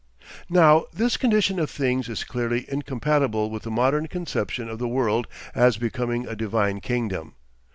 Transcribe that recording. ... Now this condition of things is clearly incompatible with the modern conception of the world as becoming a divine kingdom.